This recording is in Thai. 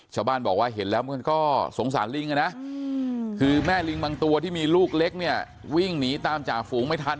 ชาวบ้านบอกว่าเห็นแล้วมันก็สงสารลิงนะคือแม่ลิงบางตัวที่มีลูกเล็กเนี่ยวิ่งหนีตามจ่าฝูงไม่ทัน